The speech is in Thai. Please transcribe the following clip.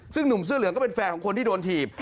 ซึ่งหนุ่มเสื้อเหลืองก็เป็นแฟนของคนที่โดนถีบ